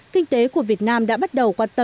kinh tế của việt nam đã đạt được một nền kinh tế xanh